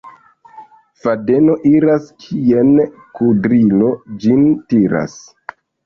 Fadeno iras, kien kudrilo ĝin tiras.